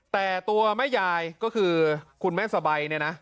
แต่ตัวแม่ยายก็คือคุณแม่สบายเนี่ยนะ